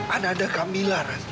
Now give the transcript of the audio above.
ananda kamilah ras